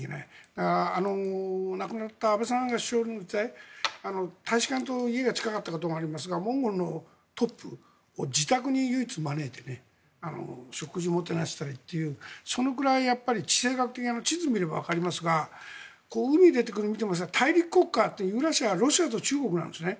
だから、亡くなった安倍さんが首相の時代大使館と家が近かったこともありますがモンゴルのトップを自宅に唯一招いて食事でもてなしたりというそのくらい地政学的に地図を見ればわかりますが大陸国家ってユーラシアは中国とロシアなんですね。